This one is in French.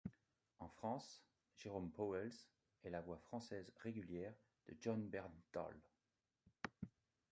En France, Jérôme Pauwels est la voix française régulière de Jon Bernthal.